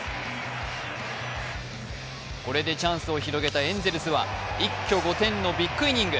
これでチャンスを広げたエンゼルスは一挙５点のビッグイニング。